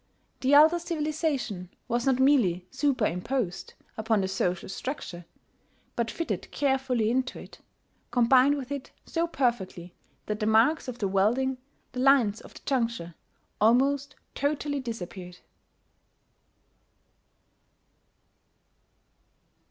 The elder civilization was not merely superimposed upon the social structure, but fitted carefully into it, combined with it so perfectly that the marks of the welding, the lines of the juncture, almost totally disappeared.